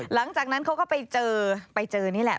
หลังจากนั้นเขาก็ไปเจอไปเจอนี่แหละ